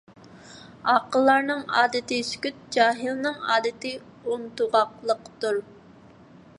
ئاقىللارنىڭ ئادىتى سۈكۈت، جاھىلنىڭ ئادىتى ئۇنتۇغاقلىقتۇر.